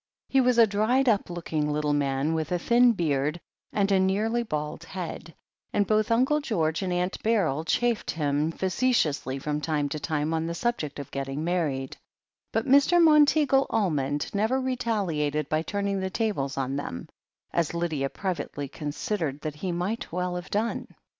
He was a dried up looking little man, with a thin beard and a nearly bald head, and both Uncle George and Aunt Beryl chaffed him facetiously from time to time on the subject of getting married, but Mr. Mon teagle Almond never retaliated by turning the tables on them, as Lydia privately considered that he might well have done.